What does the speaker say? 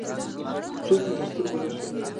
خو څوک مې تر سترګو نه شو.